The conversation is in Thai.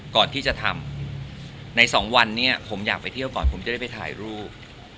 ก่อนที่จะทำในสองวันนี้ผมอยากไปเที่ยวก่อนผมจะได้ไปถ่ายรูป